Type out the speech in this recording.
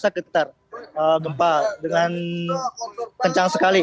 saya keketar gempa dengan kencang sekali